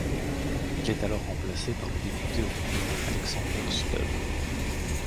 Il est alors remplacé par le député européen Alexander Stubb.